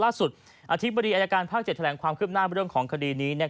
ล่าสุดอาทิบดีอย่างการภาคเจ็ดแถลงความคืบหน้าเรื่องของคดีนี้